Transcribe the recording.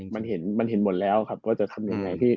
มันเห็นมันเห็นหมดแล้วครับว่าจะทำยังไง